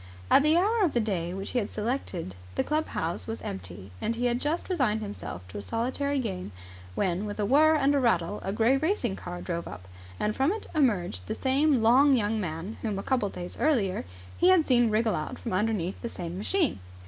At the hour of the day which he had selected the club house was empty, and he had just resigned himself to a solitary game, when, with a whirr and a rattle, a grey racing car drove up, and from it emerged the same long young man whom, a couple of days earlier, he had seen wriggle out from underneath the same machine.